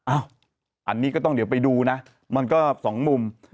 อันนี้ก็ต้องเดี๋ยวไปดูนะมันก็สองมุม